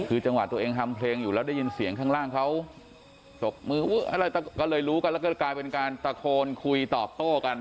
คือจังหวะตัวเองทำเพลงอยู่แล้วได้ยินเสียงข้างล่างเขาตบมืออะไรก็เลยรู้กันแล้วก็กลายเป็นการตะโกนคุยตอบโต้กัน